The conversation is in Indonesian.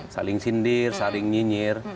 saling sindir saling nyinyir